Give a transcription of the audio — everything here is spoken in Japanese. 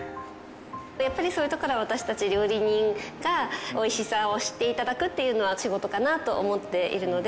やっぱりそういうところは私たち料理人がおいしさを知って頂くっていうのが仕事かなと思っているので。